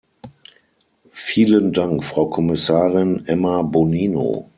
Vielen Dank, Frau Kommissarin Emma Bonino.